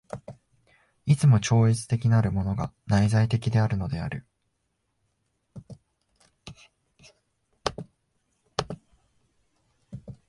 いつも超越的なるものが内在的であるのである。